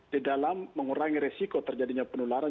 di dalam mengurangi resiko terjadinya penularan